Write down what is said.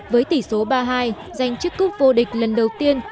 với tỷ số ba hai giành chiếc cúp vô địch lần đầu tiên